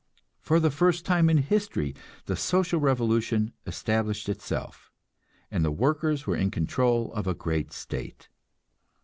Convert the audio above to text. For the first time in history the social revolution established itself, and the workers were in control of a great state.